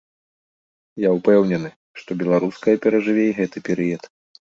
Я ўпэўнены, што беларуская перажыве і гэты перыяд.